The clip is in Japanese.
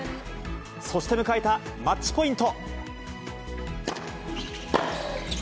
そして迎えたマッチポイント。